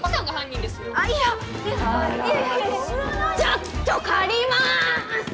ちょっと借ります！